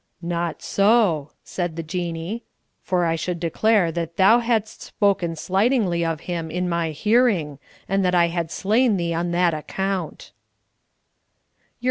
"Not so," said the Jinnee, "for I should declare that thou hadst spoken slightingly of him in my hearing, and that I had slain thee on that account."